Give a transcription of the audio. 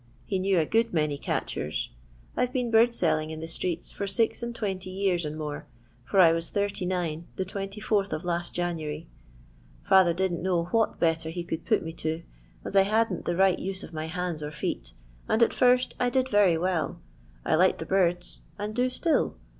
He knew a good many catchers. I 've been bird selling in the streeU for six and twenty years and more, for I was 39 the 24th of last January. Father didn't know what better he could put me to, as I hadn't the right use of my hands or feet, and at first I did very well. I liked the birds and do still.